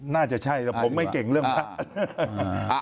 น่าจะใช่แต่ผมไม่เก่งเรื่องพระ